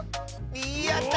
やった！